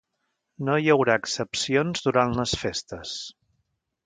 No hi haurà excepcions durant les festes.